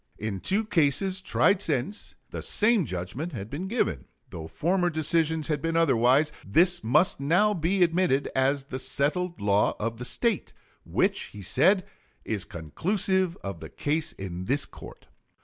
In two cases tried since, the same judgment had been given. Though former decisions had been otherwise, this must now be admitted as "the settled law of the State," which, he said, "is conclusive of the case in this court."